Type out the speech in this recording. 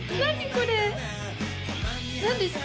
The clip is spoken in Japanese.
これ何ですか？